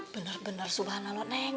benar benar subhanallah neng